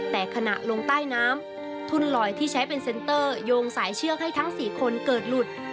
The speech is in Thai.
แต่ขณะลงใต้น้ำทุ่นลอยที่ใช้เป็นเซ็นเตอร์โยงสายเชือกให้ทั้ง๔คนเกิดหลุด